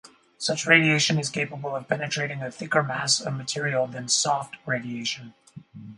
Such radiation is capable of penetrating a thicker mass of material than "soft" radiation.